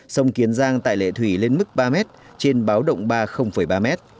sông kiến giang tại lệ thủy lên mức ba m trên báo động ba ba m